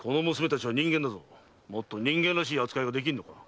もっと人間らしい扱いはできんのか？